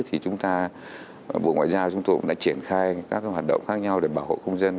thì chúng ta bộ ngoại giao chúng tôi cũng đã triển khai các hoạt động khác nhau để bảo hộ công dân